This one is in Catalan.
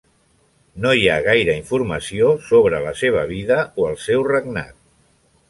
No hi ha gaire informació sobre la seva vida o el seu regnat.